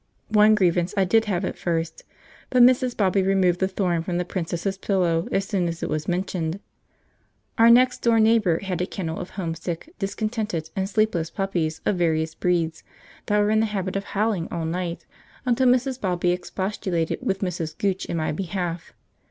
One grievance I did have at first, but Mrs. Bobby removed the thorn from the princess' pillow as soon as it was mentioned. Our next door neighbour had a kennel of homesick, discontented, and sleepless puppies of various breeds, that were in the habit of howling all night until Mrs. Bobby expostulated with Mrs. Gooch in my behalf.